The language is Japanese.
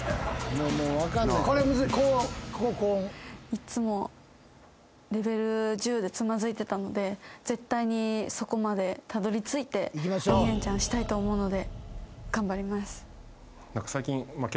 いつもレベル１０でつまずいてたので絶対にそこまでたどりついて鬼レンチャンしたいと思うので頑張ります。